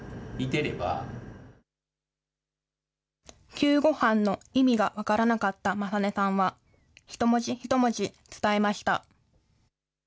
救護班の意味が分からなかった理音さんは、一文字一文字伝えました。